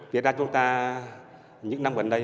vì ra chúng ta những năm gần đây